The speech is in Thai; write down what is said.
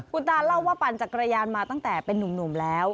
คุณตาเล่าว่าปั่นจักรยานมาตั้งแต่เป็นนุ่มแล้ว